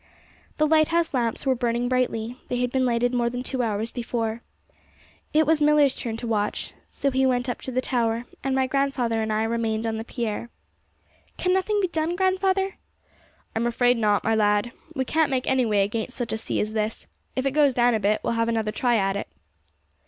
The lighthouse lamps were burning brightly; they had been lighted more than two hours before. It was Millar's turn to watch, so he went up to the tower, and my grandfather and I remained on the pier. 'Can nothing be done, grandfather?' 'I'm afraid not, my lad. We can't make any way against such a sea as this; if it goes down a bit, we'll have another try at it.'